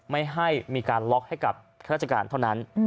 ไม่ให้มีการล็อกให้กับราชการเท่านั้น